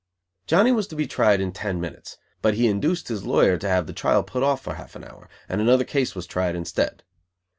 Johnny was to be tried in ten minutes, but he induced his lawyer to have the trial put off for half an hour; and another case was tried instead.